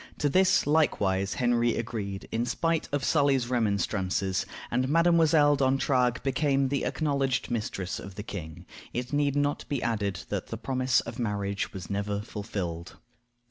To this likewise Henry agreed, in spite of Sully's remonstrances; and Mdlle. D'Entragues became the acknowledged mistress of the king. It need not be added that the promise of marriage was never fulfilled.